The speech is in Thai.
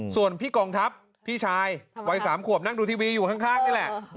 ส่วนพี่กองทัพพี่ชายวัย๓ขวบนั่งดูทีวีอยู่ข้างนี่แหละ